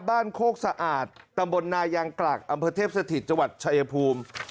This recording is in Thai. โคกสะอาดตำบลนายางกลักอำเภอเทพสถิตจังหวัดชายภูมิ